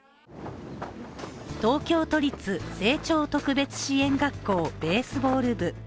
東京都立青鳥特別支援学校、ベースボール部。